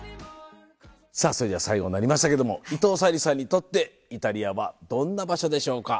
それでは最後になりましたけども伊藤沙莉さんにとってイタリアはどんな場所でしょうか？